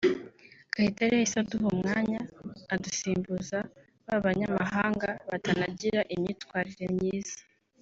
Kayitare yahise aduha umwanya adusimbuza ba banyamahanga batanagiraga imyitwarire myiza’’